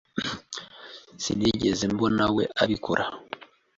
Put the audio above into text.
Sinigeze mbonawe abikora.